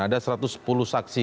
ada satu ratus sepuluh saksi